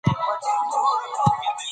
ټولنیز ارزښت د ټولنې هویت جوړوي.